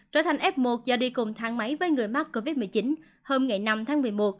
trở thành f một do đi cùng thang máy với người mắc covid một mươi chín hôm ngày năm tháng một mươi một